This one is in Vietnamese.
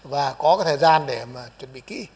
và có cái thời gian để mà chuẩn bị kỹ